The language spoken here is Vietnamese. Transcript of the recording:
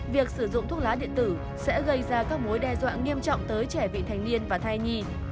việc sử dụng thuốc lá điện tử sẽ gây ra các mối đe dọa nghiêm trọng tới trẻ vị thành niên và thai nhi